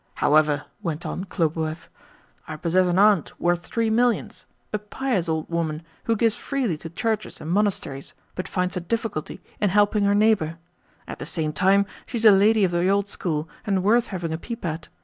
"However," went on Khlobuev, "I possess an aunt worth three millions a pious old woman who gives freely to churches and monasteries, but finds a difficulty in helping her neighbour. At the same time, she is a lady of the old school, and worth having a peep at.